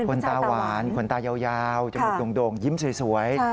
ตาหวานขนตายาวจมูกโด่งยิ้มสวย